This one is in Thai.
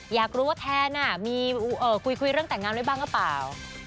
อยากรู้ว่าแทนน่ะคุยเรื่องแต่งงานด้วยบ้างก็เปล่า